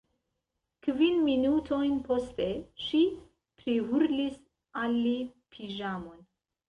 Kvin minutojn poste, ŝi prihurlis al li piĵamon.